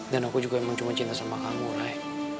dan aku juga emang cuma cinta sama kamu ray